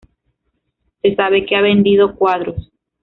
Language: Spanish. Se sabe que ha vendido cuadros.